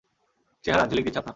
চেহারা, ঝিলিক দিচ্ছে আপনার।